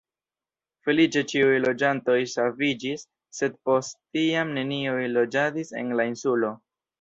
Feliĉe ĉiuj loĝantoj saviĝis sed post tiam neniuj loĝadis en la insulo.